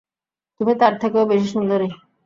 তুমি তার থেকেও বেশি সুন্দরী।